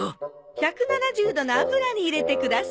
１７０度の油に入れてください。